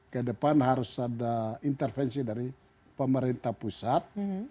ke depan harus ada intervensi dari pemerintah pusat